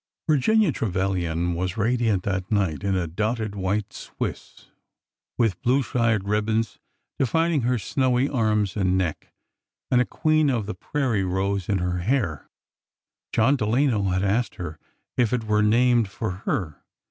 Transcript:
Virginia Trevilian was radiant that night in a dotted white Swiss, with blue shirred ribbons defining her snowy arms and neck, and a queen of the prairie '' rose in her hair. John Delano had asked her if it were named for her.